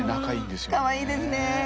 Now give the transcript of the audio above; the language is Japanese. かわいいですね。